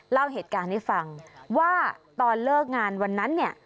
เล่าเหตุการณ์ให้ฟังว่าตอนเลิกงานวันนั้นเนี่ย